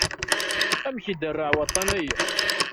Amek iderreɛ waṭṭan-ayi?